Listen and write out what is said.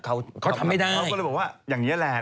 เขาก็เลยบอกว่าอย่างนี้แหละ